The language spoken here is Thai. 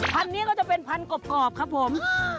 นี้ก็จะเป็นพันกรอบครับผม